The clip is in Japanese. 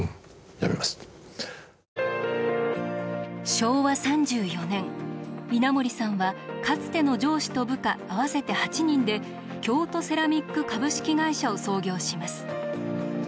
昭和３４年稲盛さんはかつての上司と部下合わせて８人で京都セラミック株式会社を創業します。